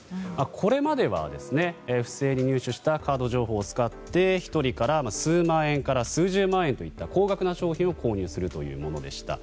これまでは、不正に入手したカード情報を使って１人から数万円から数十万円の高額な商品を購入するというものでした。